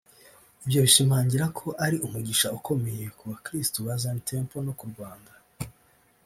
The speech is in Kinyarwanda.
Ibyo bishimangira ko ari umugisha ukomeye ku bakristo ba Zion Temple no ku Rwanda